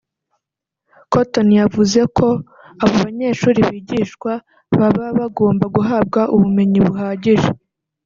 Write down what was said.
Cotton yavuze ko abo banyeshuri bigishwa baba bagomba guhabwa ubumenyi buhagije